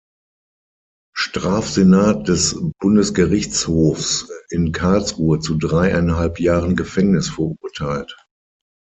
Strafsenat des Bundesgerichtshofs in Karlsruhe zu dreieinhalb Jahren Gefängnis verurteilt.